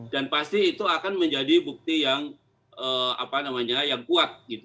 dan pasti itu akan menjadi bukti yang kuat